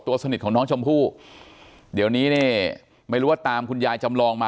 สนิทของน้องชมพู่เดี๋ยวนี้เนี่ยไม่รู้ว่าตามคุณยายจำลองมา